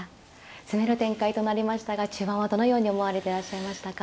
攻める展開となりましたが中盤はどのように思われていらっしゃいましたか。